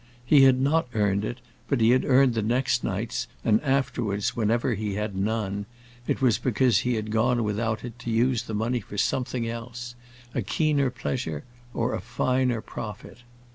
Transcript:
He had not earned it but he had earned the next night's, and afterwards, whenever he had had none, it was because he had gone without it to use the money for something else, a keener pleasure or a finer profit.